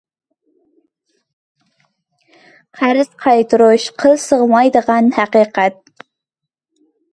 قەرز قايتۇرۇش قىل سىغمايدىغان ھەقىقەت.